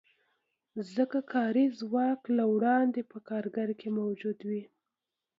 ځکه کاري ځواک له وړاندې په کارګر کې موجود وي